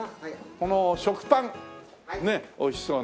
この食パンねえ美味しそうな。